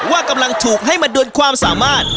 ว่ากำลังถูกให้มาดวนความสามารถ